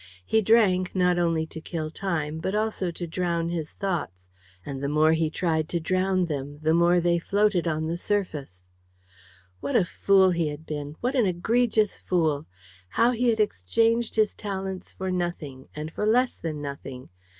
He drank not only to kill time but also to drown his thoughts, and the more he tried to drown them, the more they floated on the surface. What a fool he had been what an egregious fool! How he had exchanged his talents for nothing, and for less than nothing.